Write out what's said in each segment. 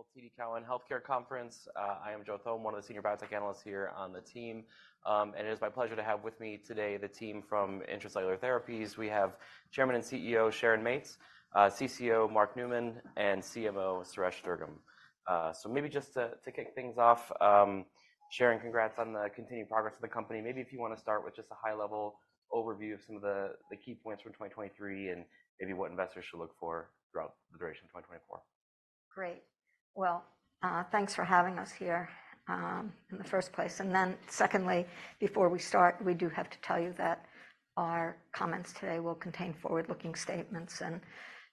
Annual TD Cowen Healthcare Conference. I am Joe Thome, one of the senior biotech analysts here on the team. It is my pleasure to have with me today the team from Intra-Cellular Therapies. We have Chairman and CEO Sharon Mates, CCO Mark Neumann, and CMO Suresh Durgam. Maybe just to, to kick things off, Sharon, congrats on the continued progress of the company. Maybe if you want to start with just a high-level overview of some of the, the key points from 2023 and maybe what investors should look for throughout the duration of 2024. Great. Well, thanks for having us here, in the first place. And then secondly, before we start, we do have to tell you that our comments today will contain forward-looking statements, and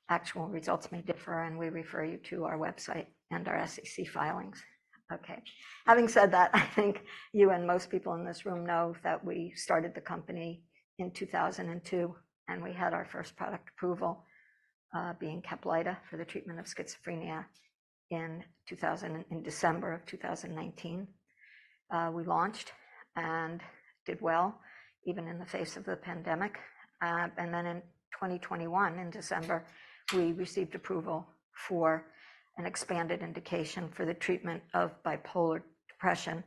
actual results may differ, and we refer you to our website and our SEC filings. Okay. Having said that, I think you and most people in this room know that we started the company in 2002, and we had our first product approval, being CAPLYTA for the treatment of schizophrenia in December 2019. We launched and did well, even in the face of the pandemic. And then in 2021, in December, we received approval for an expanded indication for the treatment of bipolar depression,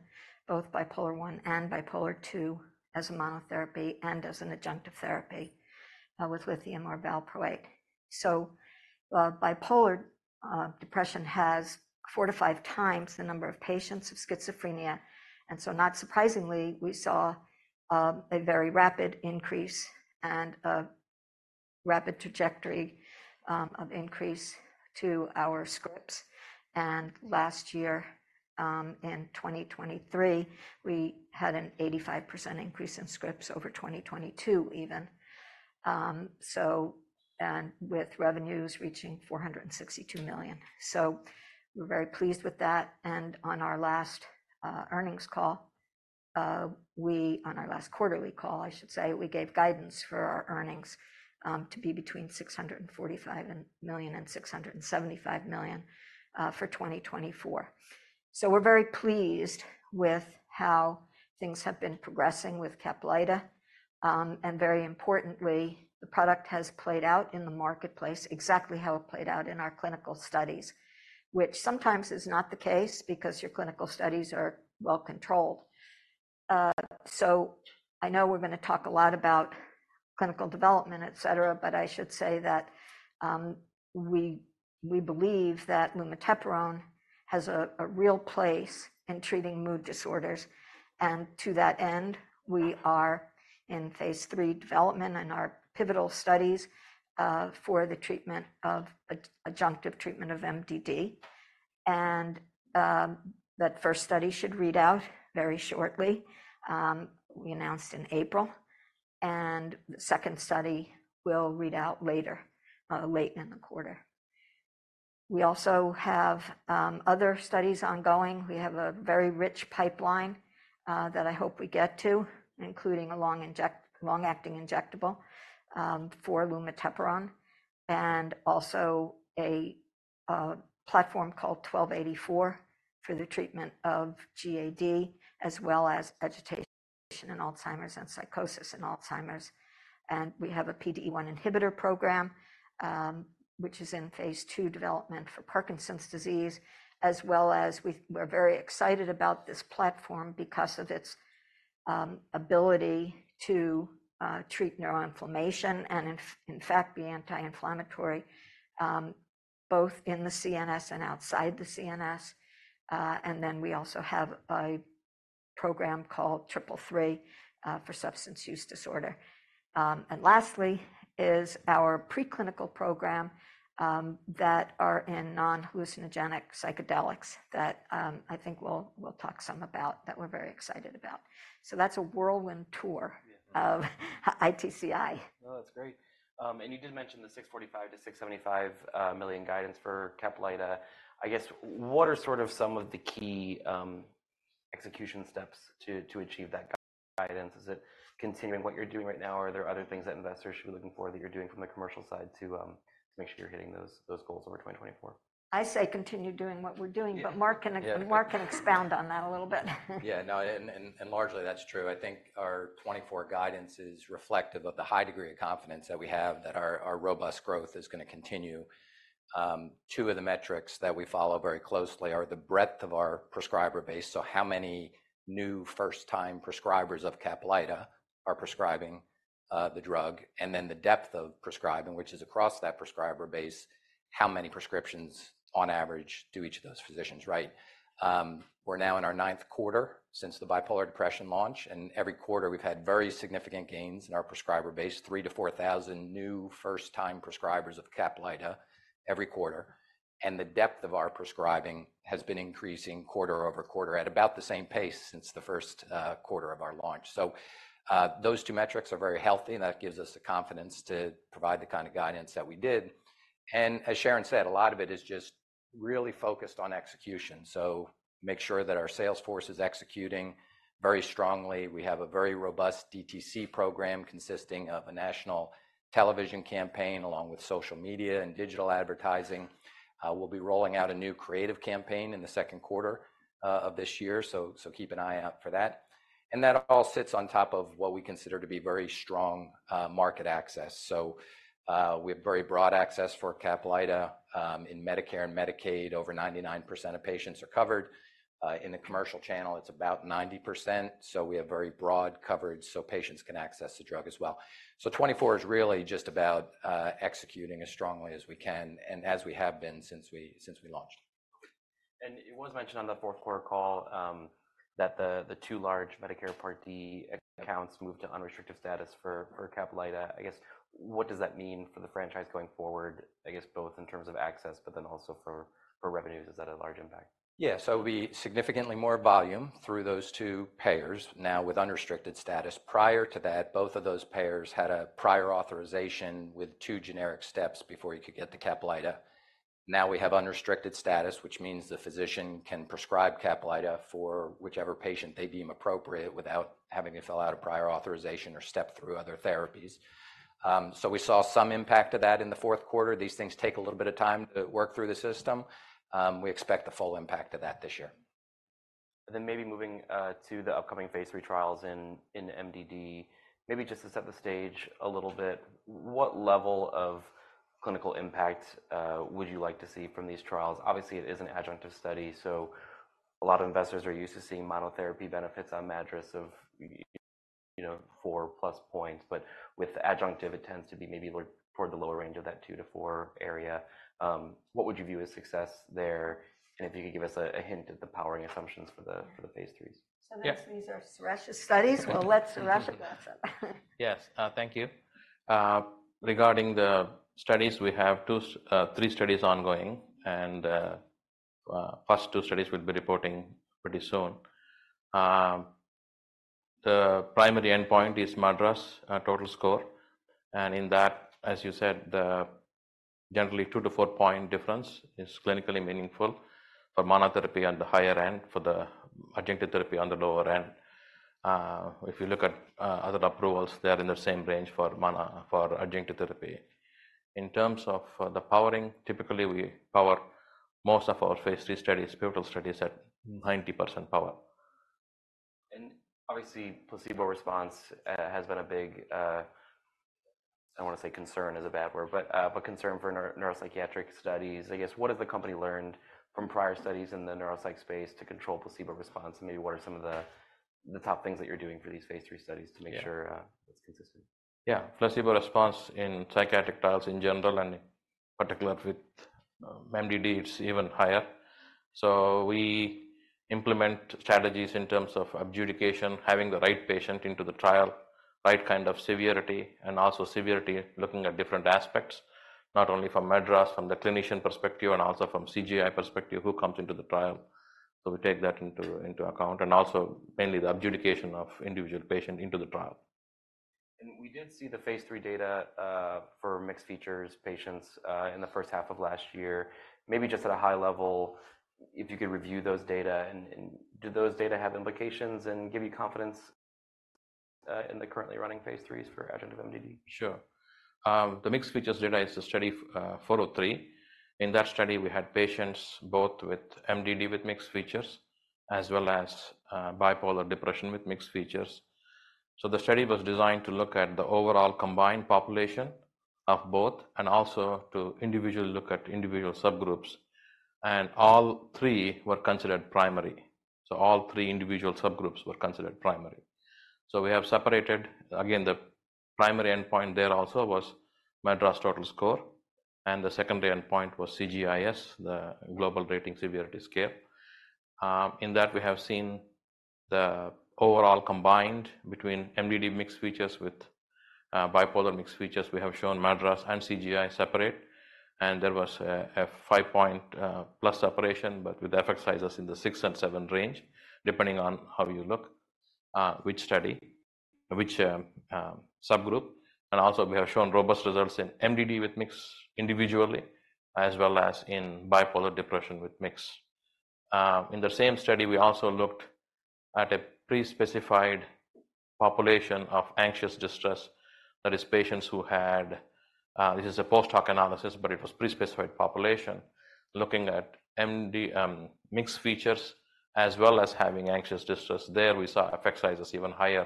both bipolar I and bipolar II, as a monotherapy and as an adjunctive therapy, with lithium or valproate. So, bipolar depression has four-five times the number of patients of schizophrenia, and so not surprisingly, we saw a very rapid increase and a rapid trajectory of increase to our scripts. And last year, in 2023, we had an 85% increase in scripts over 2022 even, so and with revenues reaching $462 million. So we're very pleased with that. And on our last earnings call, we on our last quarterly call, I should say, we gave guidance for our earnings to be between $645 million and $675 million for 2024. So we're very pleased with how things have been progressing with CAPLYTA. And very importantly, the product has played out in the marketplace exactly how it played out in our clinical studies, which sometimes is not the case because your clinical studies are well controlled. So I know we're going to talk a lot about clinical development, etc., but I should say that we believe that lumateperone has a real place in treating mood disorders. And to that end, we are in phase three development in our pivotal studies for the treatment of adjunctive treatment of MDD. That first study should read out very shortly. We announced in April, and the second study will read out later, late in the quarter. We also have other studies ongoing. We have a very rich pipeline that I hope we get to, including a long-acting injectable for lumateperone and also a platform called 1284 for the treatment of GAD as well as agitation in Alzheimer's and psychosis in Alzheimer's. We have a PDE1 inhibitor program, which is in phase II development for Parkinson's disease, as well as we're very excited about this platform because of its ability to treat neuroinflammation and, in fact, be anti-inflammatory, both in the CNS and outside the CNS. Then we also have a program called 333 for substance use disorder. Lastly is our preclinical program that are in non-hallucinogenic psychedelics that, I think we'll talk some about that we're very excited about. That's a whirlwind tour of ITCI. No, that's great. You did mention the $645 million-$675 million guidance for Caplyta. I guess what are sort of some of the key execution steps to achieve that guidance? Is it continuing what you're doing right now, or are there other things that investors should be looking for that you're doing from the commercial side to make sure you're hitting those goals over 2024? I say continue doing what we're doing, but Mark can expound on that a little bit. Yeah, no, and largely that's true. I think our 2024 guidance is reflective of the high degree of confidence that we have that our robust growth is going to continue. Two of the metrics that we follow very closely are the breadth of our prescriber base, so how many new first-time prescribers of Caplyta are prescribing the drug, and then the depth of prescribing, which is across that prescriber base, how many prescriptions on average do each of those physicians, right? We're now in our ninth quarter since the bipolar depression launch, and every quarter we've had very significant gains in our prescriber base, 3,000-4,000 new first-time prescribers of Caplyta every quarter. And the depth of our prescribing has been increasing quarter-over-quarter at about the same pace since the first quarter of our launch. So, those two metrics are very healthy, and that gives us the confidence to provide the kind of guidance that we did. And as Sharon said, a lot of it is just really focused on execution. So make sure that our sales force is executing very strongly. We have a very robust DTC program consisting of a national television campaign along with social media and digital advertising. We'll be rolling out a new creative campaign in the second quarter of this year, so keep an eye out for that. And that all sits on top of what we consider to be very strong market access. So, we have very broad access for CAPLYTA in Medicare and Medicaid. Over 99% of patients are covered. In the commercial channel, it's about 90%, so we have very broad coverage so patients can access the drug as well. 2024 is really just about executing as strongly as we can and as we have been since we launched. It was mentioned on the fourth quarter call, that the two large Medicare Part D accounts moved to unrestricted status for CAPLYTA. I guess what does that mean for the franchise going forward, I guess both in terms of access but then also for revenues? Is that a large impact? Yeah, so it'll be significantly more volume through those two payers now with unrestricted status. Prior to that, both of those payers had a prior authorization with two generic steps before you could get to Caplyta. Now we have unrestricted status, which means the physician can prescribe Caplyta for whichever patient they deem appropriate without having to fill out a prior authorization or step through other therapies. So we saw some impact of that in the fourth quarter. These things take a little bit of time to work through the system. We expect the full impact of that this year. Then maybe moving to the upcoming phase three trials in MDD, maybe just to set the stage a little bit, what level of clinical impact would you like to see from these trials? Obviously, it is an adjunctive study, so a lot of investors are used to seeing monotherapy benefits on MADRS of, you know, four+ points, but with adjunctive, it tends to be maybe toward the lower range of that two-four area. What would you view as success there, and if you could give us a hint at the powering assumptions for the phase threes? These are Suresh's studies? Well, let Suresh address it. Yes, thank you. Regarding the studies, we have two phase III studies ongoing, and the first two studies will be reporting pretty soon. The primary endpoint is MADRS total score. And in that, as you said, the generally two-four-point difference is clinically meaningful for monotherapy on the higher end, for the adjunctive therapy on the lower end. If you look at other approvals, they are in the same range for mono for adjunctive therapy. In terms of the powering, typically we power most of our phase III studies, pivotal studies, at 90% power. Obviously, placebo response has been a big, I don't want to say concern is a bad word, but, but concern for neuropsychiatric studies. I guess what has the company learned from prior studies in the neuropsych space to control placebo response? Maybe what are some of the, the top things that you're doing for these phase III studies to make sure it's consistent? Yeah. Yeah, placebo response in psychiatric trials in general and in particular with MDD, it's even higher. So we implement strategies in terms of adjudication, having the right patient into the trial, right kind of severity, and also severity looking at different aspects, not only from MADRS, from the clinician perspective, and also from CGI perspective, who comes into the trial. So we take that into account, and also mainly the adjudication of individual patient into the trial. We did see the phase three data for mixed features patients in the first half of last year. Maybe just at a high level, if you could review those data and do those data have implications and give you confidence in the currently running phase IIIs for adjunctive MDD? Sure. The mixed features data is the study 403. In that study, we had patients both with MDD with mixed features as well as bipolar depression with mixed features. So the study was designed to look at the overall combined population of both and also to individually look at individual subgroups. And all three were considered primary. So all three individual subgroups were considered primary. So we have separated again, the primary endpoint there also was MADRS total score, and the secondary endpoint was CGI-S, the Clinical Global Impression-Severity scale. In that, we have seen the overall combined between MDD mixed features with bipolar mixed features. We have shown MADRS and CGI separate, and there was a five-point + separation, but with effect sizes in the six-seven range, depending on how you look, which study, which subgroup. Also we have shown robust results in MDD with mixed individually as well as in bipolar depression with mixed. In the same study, we also looked at a pre-specified population of anxious distress. That is, patients who had. This is a post-hoc analysis, but it was pre-specified population looking at MDD, mixed features as well as having anxious distress. There we saw effect sizes even higher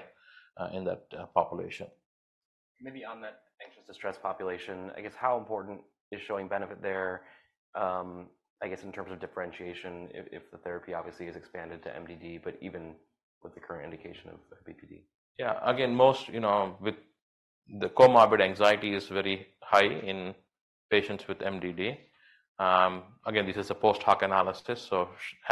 in that population. Maybe on that anxious distress population, I guess how important is showing benefit there, I guess in terms of differentiation if, if the therapy obviously is expanded to MDD but even with the current indication of BPD? Yeah, again, most, you know, with the comorbid anxiety is very high in patients with MDD. Again, this is a post-hoc analysis, so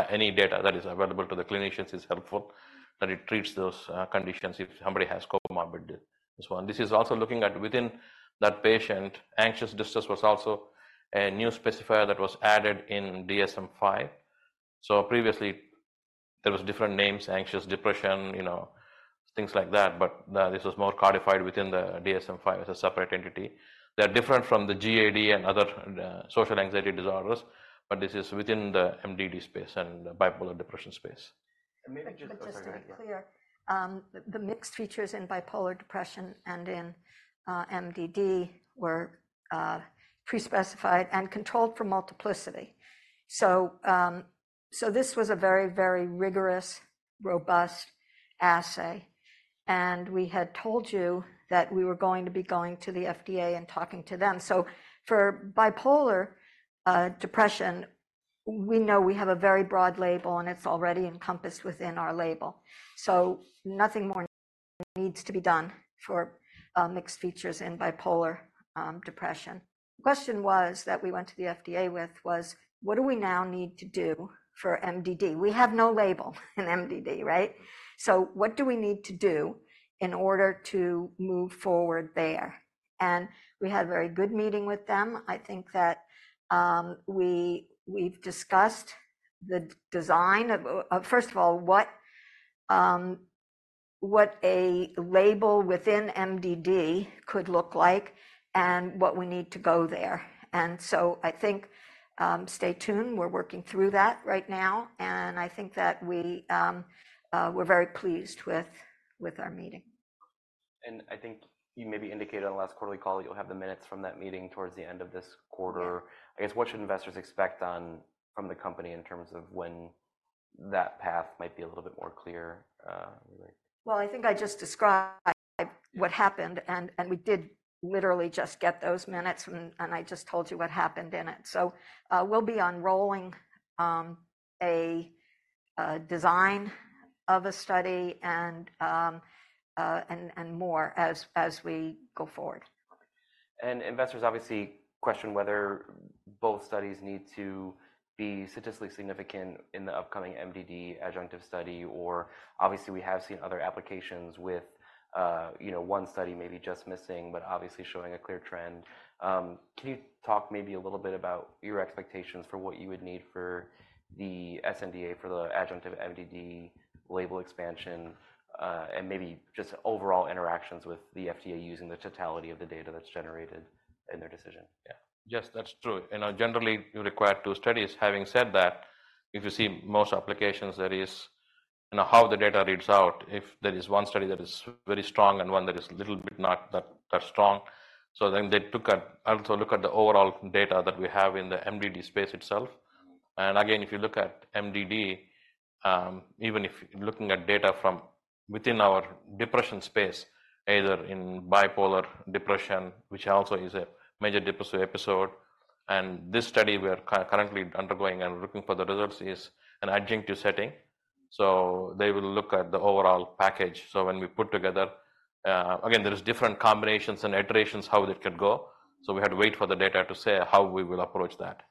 any data that is available to the clinicians is helpful that it treats those conditions if somebody has comorbid as well. And this is also looking at within that patient, anxious distress was also a new specifier that was added in DSM-5. So previously there was different names, anxious depression, you know, things like that, but this was more codified within the DSM-5 as a separate entity. They are different from the GAD and other social anxiety disorders, but this is within the MDD space and the bipolar depression space. Maybe just. Just to be clear, the mixed features in bipolar depression and in MDD were pre-specified and controlled for multiplicity. So this was a very, very rigorous, robust assay, and we had told you that we were going to be going to the FDA and talking to them. So for bipolar depression, we know we have a very broad label, and it's already encompassed within our label. So nothing more needs to be done for mixed features in bipolar depression. The question that we went to the FDA with was what do we now need to do for MDD? We have no label in MDD, right? So what do we need to do in order to move forward there? And we had a very good meeting with them. I think that we've discussed the design of first of all what a label within MDD could look like and what we need to go there. And so I think stay tuned. We're working through that right now, and I think that we were very pleased with our meeting. I think you maybe indicated on the last quarterly call you'll have the minutes from that meeting towards the end of this quarter. I guess what should investors expect on from the company in terms of when that path might be a little bit more clear, really? Well, I think I just described what happened, and we did literally just get those minutes, and I just told you what happened in it. So, we'll be unrolling a design of a study and more as we go forward. Investors obviously question whether both studies need to be statistically significant in the upcoming MDD adjunctive study, or obviously we have seen other applications with, you know, one study maybe just missing but obviously showing a clear trend. Can you talk maybe a little bit about your expectations for what you would need for the SNDA for the adjunctive MDD label expansion, and maybe just overall interactions with the FDA using the totality of the data that's generated in their decision? Yeah. Yes, that's true. You know, generally you require two studies. Having said that, if you see most applications, there is, you know, how the data reads out, if there is one study that is very strong and one that is a little bit not that, that strong. So then they took a also look at the overall data that we have in the MDD space itself. And again, if you look at MDD, even if looking at data from within our depression space, either in bipolar depression, which also is a major depressive episode, and this study we are currently undergoing and looking for the results is an adjunctive setting. So they will look at the overall package. So when we put together, again, there is different combinations and iterations how that could go. So we had to wait for the data to say how we will approach that.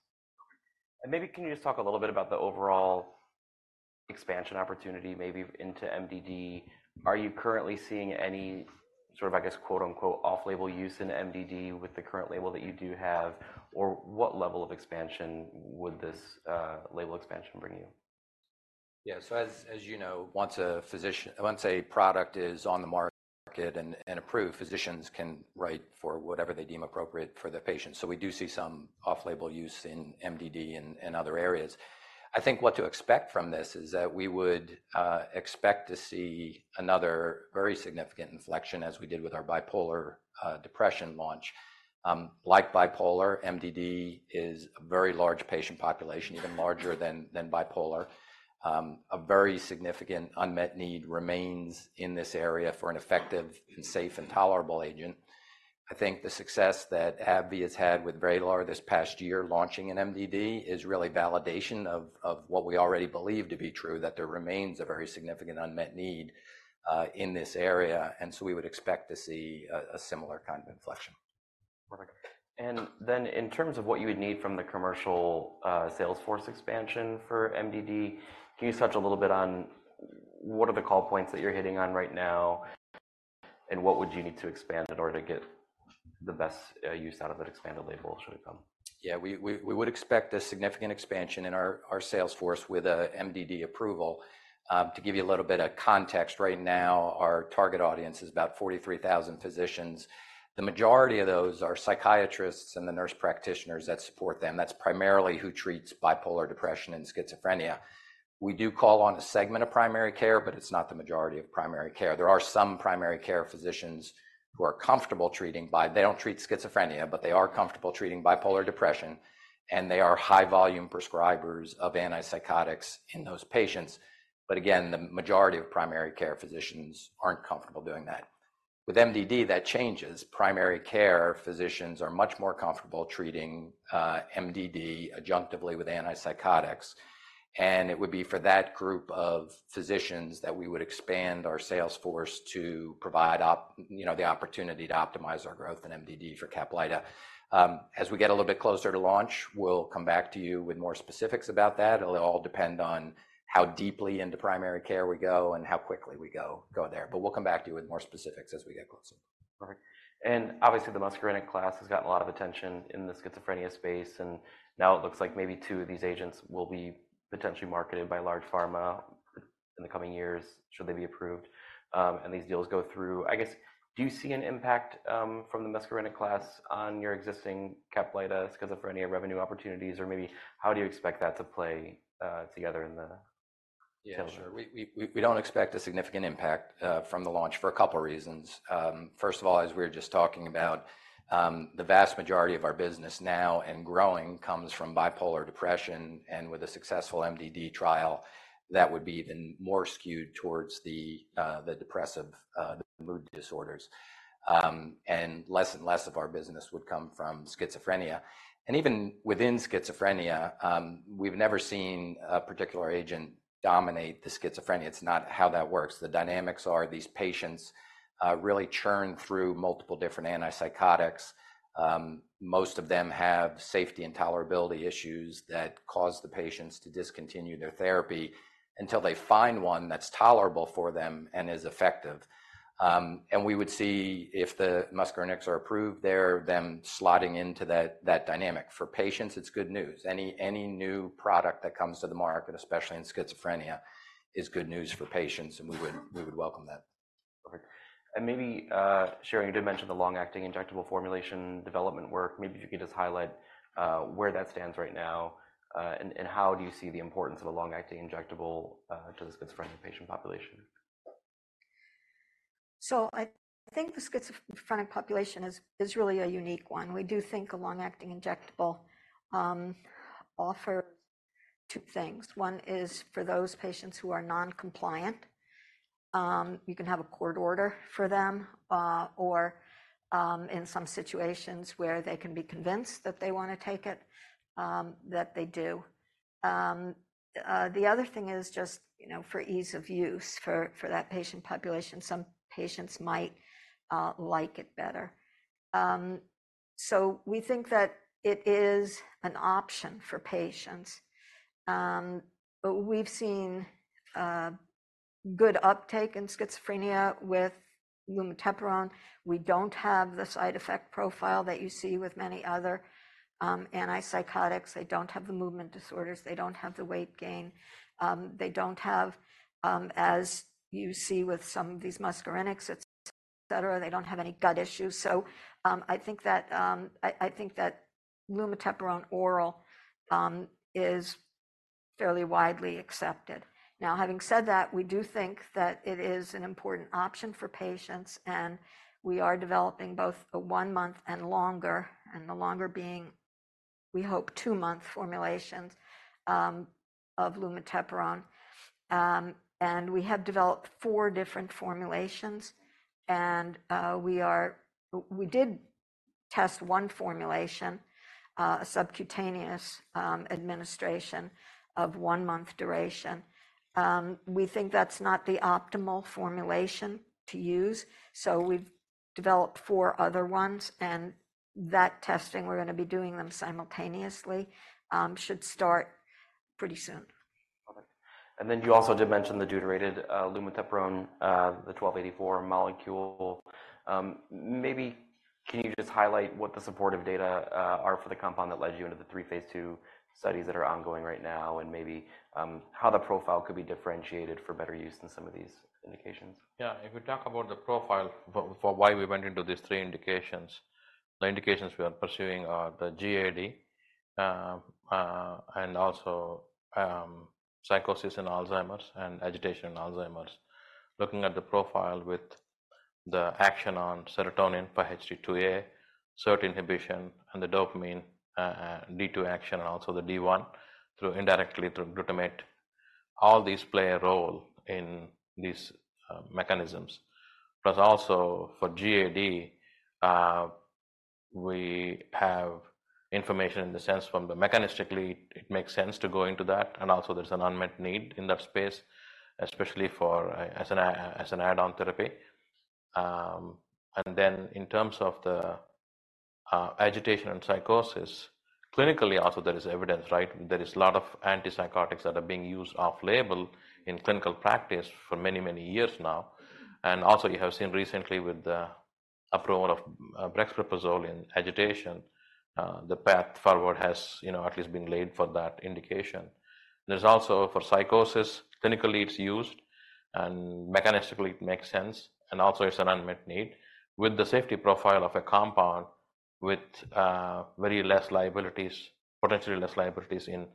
Maybe can you just talk a little bit about the overall expansion opportunity maybe into MDD? Are you currently seeing any sort of, I guess, quote-unquote, "off-label" use in MDD with the current label that you do have, or what level of expansion would this, label expansion bring you? Yeah, so as you know, once a product is on the market and approved, physicians can write for whatever they deem appropriate for the patient. So we do see some off-label use in MDD and other areas. I think what to expect from this is that we would expect to see another very significant inflection as we did with our bipolar depression launch. Like bipolar, MDD is a very large patient population, even larger than bipolar. A very significant unmet need remains in this area for an effective and safe and tolerable agent. I think the success that AbbVie has had with VRAYLAR this past year launching an MDD is really validation of what we already believe to be true, that there remains a very significant unmet need in this area. And so we would expect to see a similar kind of inflection. Perfect. And then in terms of what you would need from the commercial sales force expansion for MDD, can you touch a little bit on what are the call points that you're hitting on right now, and what would you need to expand in order to get the best use out of that expanded label should it come? Yeah, we would expect a significant expansion in our salesforce with a MDD approval. To give you a little bit of context, right now our target audience is about 43,000 physicians. The majority of those are psychiatrists and the nurse practitioners that support them. That's primarily who treats bipolar depression and schizophrenia. We do call on a segment of primary care, but it's not the majority of primary care. There are some primary care physicians who are comfortable treating bipolar; they don't treat schizophrenia, but they are comfortable treating bipolar depression, and they are high-volume prescribers of antipsychotics in those patients. But again, the majority of primary care physicians aren't comfortable doing that. With MDD, that changes. Primary care physicians are much more comfortable treating MDD adjunctively with antipsychotics. It would be for that group of physicians that we would expand our salesforce to provide, you know, the opportunity to optimize our growth in MDD for CAPLYTA. As we get a little bit closer to launch, we'll come back to you with more specifics about that. It'll all depend on how deeply into primary care we go and how quickly we go there. We'll come back to you with more specifics as we get closer. Perfect. And obviously the muscarinic class has gotten a lot of attention in the schizophrenia space, and now it looks like maybe two of these agents will be potentially marketed by large pharma in the coming years should they be approved, and these deals go through. I guess do you see an impact, from the muscarinic class on your existing CAPLYTA schizophrenia revenue opportunities, or maybe how do you expect that to play, together in the sales? Yeah, sure. We don't expect a significant impact from the launch for a couple of reasons. First of all, as we were just talking about, the vast majority of our business now and growing comes from bipolar depression, and with a successful MDD trial, that would be even more skewed towards the depressive, the mood disorders. And less and less of our business would come from schizophrenia. And even within schizophrenia, we've never seen a particular agent dominate the schizophrenia. It's not how that works. The dynamics are these patients really churn through multiple different antipsychotics. Most of them have safety and tolerability issues that cause the patients to discontinue their therapy until they find one that's tolerable for them and is effective. And we would see if the muscarinics are approved there, them slotting into that dynamic. For patients, it's good news. Any new product that comes to the market, especially in schizophrenia, is good news for patients, and we would welcome that. Perfect. And maybe, Sharon, you did mention the long-acting injectable formulation development work. Maybe if you could just highlight, where that stands right now, and how do you see the importance of a long-acting injectable, to the schizophrenia patient population? So I think the schizophrenic population is really a unique one. We do think a long-acting injectable offers two things. One is for those patients who are noncompliant. You can have a court order for them, or in some situations where they can be convinced that they want to take it, that they do. The other thing is just, you know, for ease of use for that patient population. Some patients might like it better. So we think that it is an option for patients. We've seen good uptake in schizophrenia with lumateperone. We don't have the side effect profile that you see with many other antipsychotics. They don't have the movement disorders. They don't have the weight gain. They don't have, as you see with some of these muscarinics, etc., they don't have any gut issues. So, I think that lumateperone oral is fairly widely accepted. Now, having said that, we do think that it is an important option for patients, and we are developing both a one-month and longer, and the longer being, we hope, two-month formulations, of lumateperone. And we have developed four different formulations, and we did test one formulation, a subcutaneous administration of 1-month duration. We think that's not the optimal formulation to use, so we've developed four other ones, and that testing we're going to be doing them simultaneously should start pretty soon. Perfect. And then you also did mention the deuterated lumateperone, the 1284 molecule. Maybe can you just highlight what the supportive data are for the compound that led you into the three phase II studies that are ongoing right now, and maybe how the profile could be differentiated for better use in some of these indications? Yeah, if we talk about the profile for why we went into these three indications, the indications we are pursuing are the GAD, and also, psychosis in Alzheimer's and agitation in Alzheimer's. Looking at the profile with the action on serotonin for 5-HT2A, SERT inhibition, and the dopamine, D2 action, and also the D1 indirectly through glutamate, all these play a role in these mechanisms. Plus also for GAD, we have information in the sense from the mechanistically, it makes sense to go into that, and also there's an unmet need in that space, especially as an add-on therapy. And then in terms of the agitation and psychosis, clinically also there is evidence, right? There is a lot of antipsychotics that are being used off-label in clinical practice for many, many years now. And also you have seen recently with the approval of brexpiprazole in agitation, the path forward has, you know, at least been laid for that indication. There's also for psychosis, clinically it's used, and mechanistically it makes sense, and also it's an unmet need with the safety profile of a compound with very less liabilities, potentially less liabilities in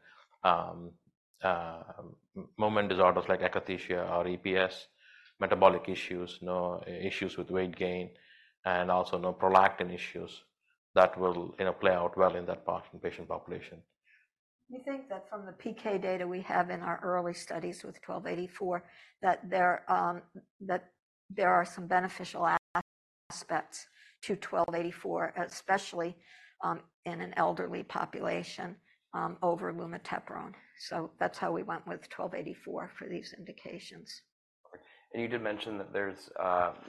movement disorders like akathisia or EPS, metabolic issues, no issues with weight gain, and also no prolactin issues that will, you know, play out well in that patient population. We think that from the PK data we have in our early studies with 1284, there are some beneficial aspects to 1284, especially in an elderly population over lumateperone. So that's how we went with 1284 for these indications. Perfect. And you did mention that there's,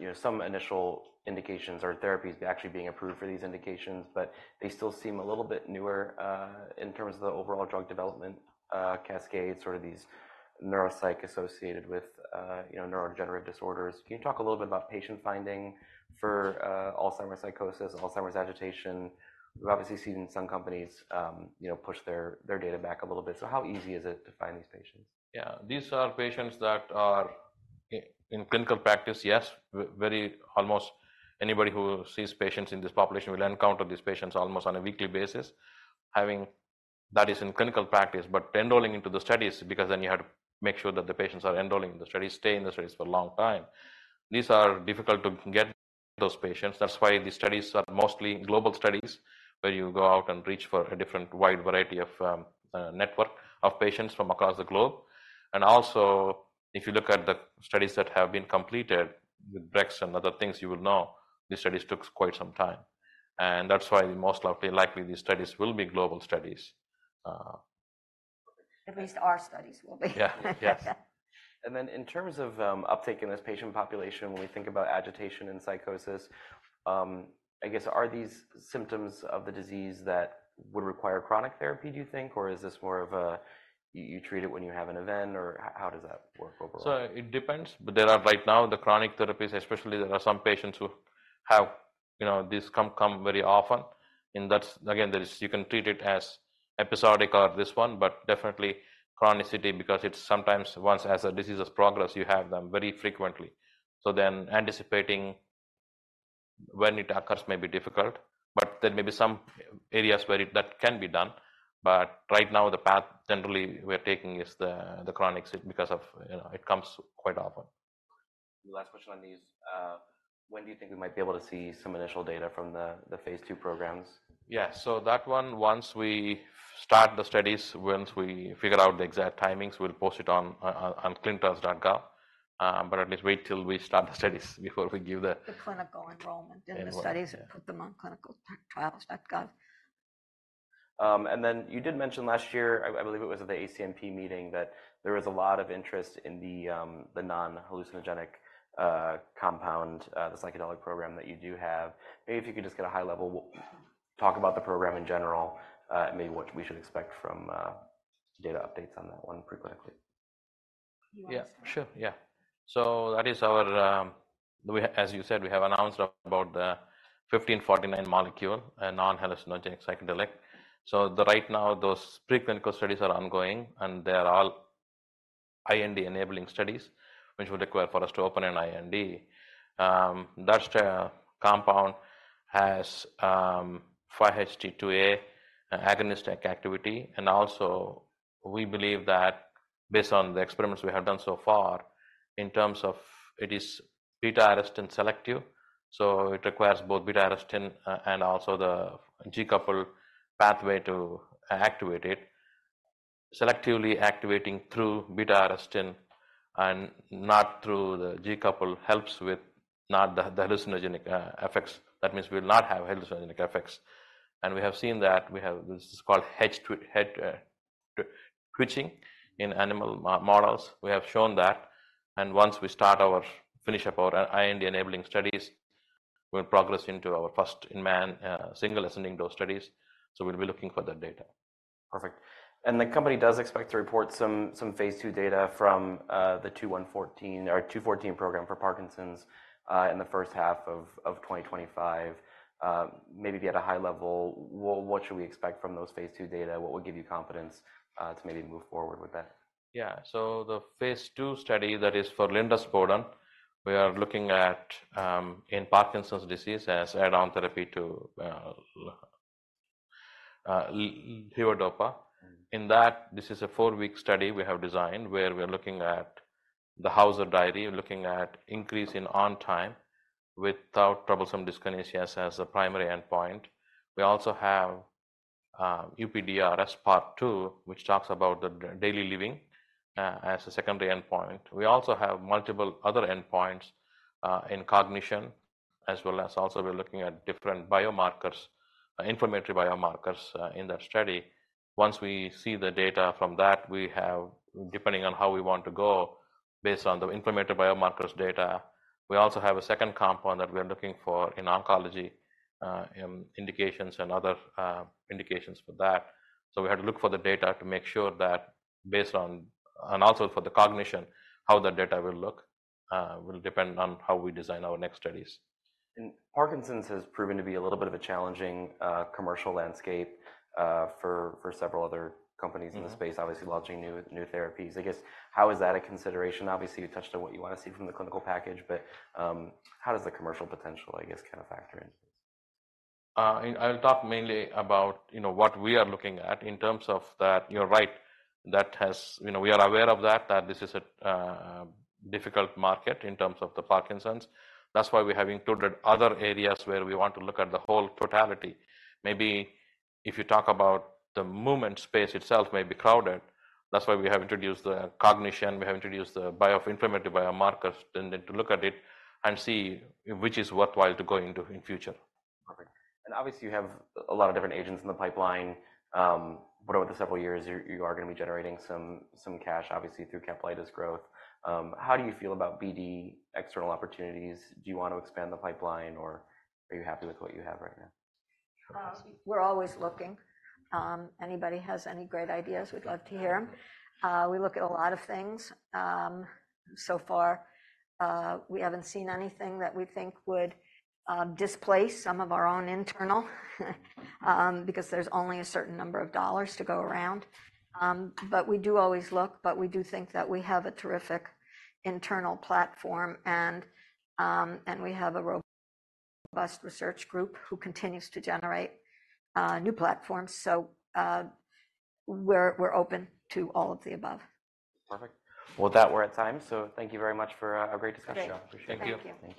you know, some initial indications or therapies actually being approved for these indications, but they still seem a little bit newer, in terms of the overall drug development cascade, sort of these neuropsych associated with, you know, neurodegenerative disorders. Can you talk a little bit about patient finding for Alzheimer's psychosis, Alzheimer's agitation? We've obviously seen some companies, you know, push their, their data back a little bit. So how easy is it to find these patients? Yeah, these are patients that are in clinical practice, yes, very almost anybody who sees patients in this population will encounter these patients almost on a weekly basis, having that is in clinical practice, but enrolling into the studies because then you had to make sure that the patients are enrolling in the studies, stay in the studies for a long time. These are difficult to get those patients. That's why the studies are mostly global studies where you go out and reach for a different wide variety of network of patients from across the globe. And also if you look at the studies that have been completed with brex and other things, you will know these studies took quite some time. And that's why most likely these studies will be global studies. At least our studies will be. Yeah, yes. Then in terms of uptake in this patient population, when we think about agitation and psychosis, I guess are these symptoms of the disease that would require chronic therapy, do you think, or is this more of a you, you treat it when you have an event, or how does that work overall? So it depends, but there are right now the chronic therapies, especially there are some patients who have, you know, these come very often. And that's again, there is you can treat it as episodic or this one, but definitely chronicity because it's sometimes once the disease has progressed, you have them very frequently. So then anticipating when it occurs may be difficult, but there may be some areas where it that can be done. But right now the path generally we are taking is the chronic because of, you know, it comes quite often. Last question on these. When do you think we might be able to see some initial data from the phase two programs? Yeah, so that one, once we start the studies, once we figure out the exact timings, we'll post it on clinicaltrials.gov. But at least wait till we start the studies before we give the. The clinical enrollment in the studies and put them on ClinicalTrials.gov. Then you did mention last year, I believe it was at the ACNP meeting that there was a lot of interest in the non-hallucinogenic compound, the psychedelic program that you do have. Maybe if you could just get a high-level talk about the program in general, and maybe what we should expect from data updates on that one preclinically. You want to? Yeah, sure. Yeah. So that is, as you said, we have announced about the 1549 molecule, a nonhallucinogenic psychedelic. So right now those preclinical studies are ongoing, and they are all IND-enabling studies, which will require for us to open an IND. That compound has 5-HT2A agonistic activity, and also we believe that based on the experiments we have done so far, in terms of it is beta-arrestin selective, so it requires both beta-arrestin and also the G-coupled pathway to activate it. Selectively activating through beta-arrestin and not through the G-coupled helps with not the hallucinogenic effects. That means we'll not have hallucinogenic effects. And we have seen that we have this is called head twitching in animal models. We have shown that. And once we finish up our IND-enabling studies, we'll progress into our first-in-man single ascending dose studies. We'll be looking for that data. Perfect. The company does expect to report some phase II data from the ITI-214 program for Parkinson's in the first half of 2025. Maybe at a high level, what should we expect from those phase II data? What would give you confidence to maybe move forward with that? Yeah, so the phase II study that is for ITI-214, we are looking at in Parkinson's disease as add-on therapy to levodopa. In that, this is a four-week study we have designed where we are looking at the Hauser diary, looking at increase in on-time without troublesome dyskinesia as the primary endpoint. We also have UPDRS Part II, which talks about the daily living, as a secondary endpoint. We also have multiple other endpoints in cognition, as well as also we're looking at different biomarkers, inflammatory biomarkers, in that study. Once we see the data from that, we have depending on how we want to go based on the inflammatory biomarkers data, we also have a second compound that we are looking for in oncology indications and other indications for that. We had to look for the data to make sure that based on and also for the cognition, how the data will look, will depend on how we design our next studies. Parkinson's has proven to be a little bit of a challenging commercial landscape for several other companies in the space, obviously launching new therapies. I guess how is that a consideration? Obviously, you touched on what you want to see from the clinical package, but how does the commercial potential, I guess, kind of factor in? I'll talk mainly about, you know, what we are looking at in terms of that you're right. That has, you know, we are aware of that, that this is a difficult market in terms of the Parkinson's. That's why we have included other areas where we want to look at the whole totality. Maybe if you talk about the movement space itself may be crowded. That's why we have introduced the cognition. We have introduced the bio-inflammatory biomarkers tending to look at it and see which is worthwhile to go into in future. Perfect. And obviously, you have a lot of different agents in the pipeline. What about the several years you are going to be generating some cash, obviously, through Caplyta's growth? How do you feel about BD external opportunities? Do you want to expand the pipeline, or are you happy with what you have right now? We're always looking. Anybody has any great ideas, we'd love to hear them. We look at a lot of things. So far, we haven't seen anything that we think would displace some of our own internal because there's only a certain number of dollars to go around. But we do always look, but we do think that we have a terrific internal platform, and, and we have a robust research group who continues to generate new platforms. So, we're, we're open to all of the above. Perfect. Well, with that, we're at time, so thank you very much for a great discussion. Sure. Appreciate it. Thank you. Thank you.